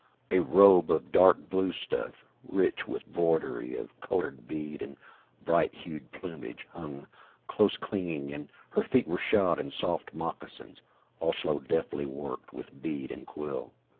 A robe of dark blue stuff, rich with broidery of colored bead and bright hued plumage, hung, close clinging, and her feet were shod in soft moccasins, also deftly worked with bead and quill.